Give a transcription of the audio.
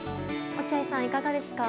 落合さん、いかがですか？